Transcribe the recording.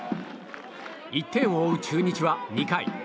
１点を追う中日は２回。